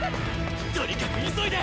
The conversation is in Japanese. ⁉とにかく急いで。